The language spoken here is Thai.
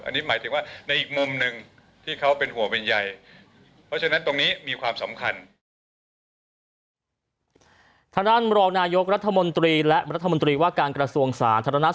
อันนี้หมายถึงว่าในอีกมุมหนึ่งที่เขาเป็นห่วงเป็นใยเพราะฉะนั้นตรงนี้มีความสำคัญนะครับ